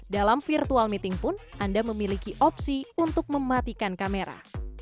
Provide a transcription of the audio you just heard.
dalam virtual meeting pun anda memiliki opsi untuk mematikan kamera